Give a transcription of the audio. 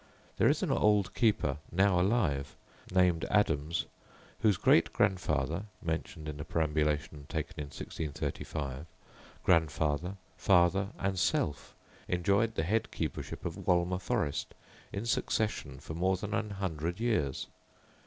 There is an old keeper, now alive, named Adams, whose great grandfather (mentioned in a perambulation taken in 1635), grandfather, father, and self, enjoyed the head keepership of Wolmer forest in succession for more than an hundred years.